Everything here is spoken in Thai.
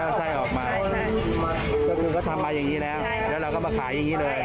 อาณะคือก็ทำมาอย่างนี้แล้วถ้าเราก็มาขายอย่างนี้เลย